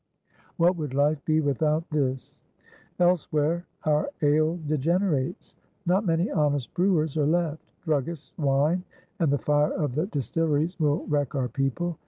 What would life be without this? Elsewhere our ale degenerates; not many honest brewers are left. Druggist's wine and the fire of the distilleries will wreck our people.